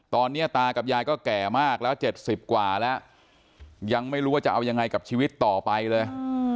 ตอนนี้ตากับยายก็แก่มากแล้ว๗๐กว่าแล้วยังไม่รู้ว่าจะเอายังไงกับชีวิตต่อไปเลย